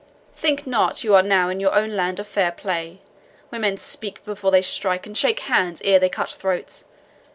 Think not you are now in your own land of fair play, where men speak before they strike, and shake hands ere they cut throats.